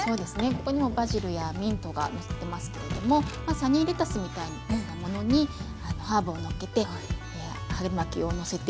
ここにもバジルやミントがのせてますけれどもサニーレタスみたいなものにハーブをのっけて春巻きをのせて。